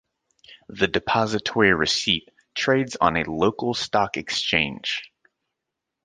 The depositary receipt trades on a local stock exchange.